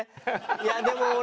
いやでも俺。